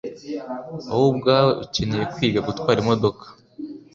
Wowe ubwawe ukeneye kwiga gutwara imodoka.